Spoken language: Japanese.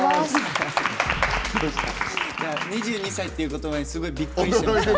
２２歳っていう言葉にすごいびっくりしました。